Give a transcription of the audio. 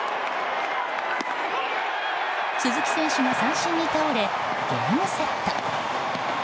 鈴木選手が三振に倒れゲームセット。